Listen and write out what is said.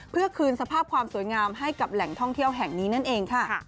เพื่อคืนสภาพความสวยงามให้กับแหล่งท่องเที่ยวแห่งนี้นั่นเองค่ะ